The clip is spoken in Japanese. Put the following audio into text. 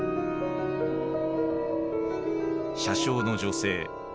車掌の女性。